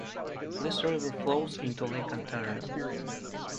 This river flows into Lake Ontario